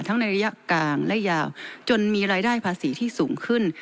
ในระยะกลางและยาวจนมีรายได้ภาษีที่สูงขึ้น